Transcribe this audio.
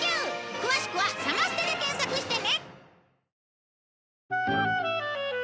詳しくは「サマステ」で検索してね！